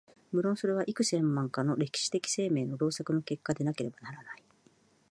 無論それは幾千万年かの歴史的生命の労作の結果でなければならない。